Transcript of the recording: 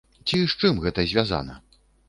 Ці з чым гэта звязана?